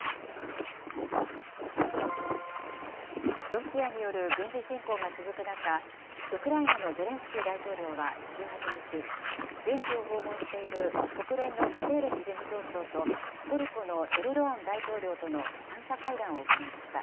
ロシアによる軍事侵攻が続く中、ウクライナのゼレンスキー大統領は１８日、現地を訪問している国連のグテーレス事務総長と、トルコのエルドアン大統領との三者会談を行いました。